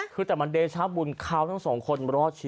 คือแต่มันเดชาบุญเกล้าทั้ง๒คน